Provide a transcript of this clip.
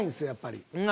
やっぱり。